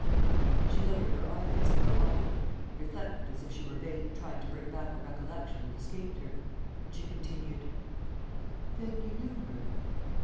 ..." She lowered her eyelids for a moment and reflected as if she were vainly trying to bring back a recollection that escaped her. And she continued: "Then you knew her?"